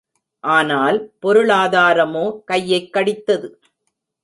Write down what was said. ஆனால், பொருளாதாரமோ கையைக் கடித்தது.